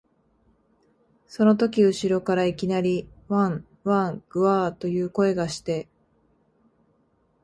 そのとき後ろからいきなり、わん、わん、ぐゎあ、という声がして、